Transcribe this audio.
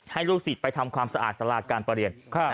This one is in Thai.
ลูกศิษย์ไปทำความสะอาดสาราการประเรียน